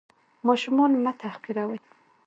ماشومان مه تحقیروئ.